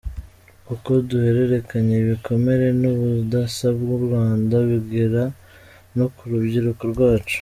Uko duhererekanya ibikomere n’ubudasa bw’u Rwanda, bigera no ku rubyiruko rwacu”.